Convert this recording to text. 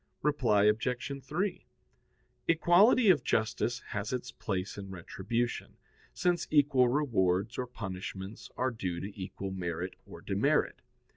Reply Obj. 3: Equality of justice has its place in retribution, since equal rewards or punishments are due to equal merit or demerit.